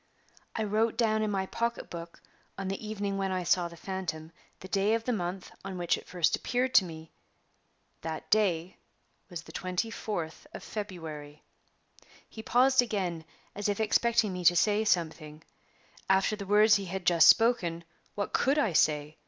I wrote down in my pocketbook, on the evening when I saw the phantom, the day of the month on which it first appeared to me. That day was the 24th of February." He paused again, as if expecting me to say something. After the words he had just spoken, what could I say?